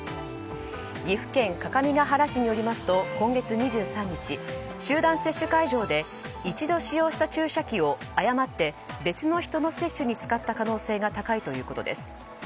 岐阜県各務原市によりますと今月２３日、集団接種会場で一度使用した注射器を誤って別の人の接種に使った可能性が高いということです。